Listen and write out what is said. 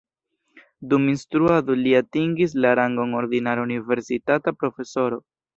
Dum instruado li atingis la rangon ordinara universitata profesoro.